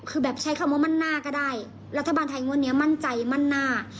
คือแบบใช้คำว่ามั่นหน้าก็ได้รัฐบาลไทยงวดนี้มั่นใจมั่นหน้า